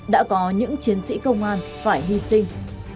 đã có những chiến sĩ công an phải hy sinh